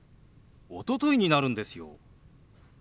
「おととい」になるんですよ。